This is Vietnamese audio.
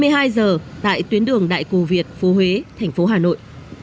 hai mươi hai h tại tuyến đường đại cù việt phú huế tp hà nội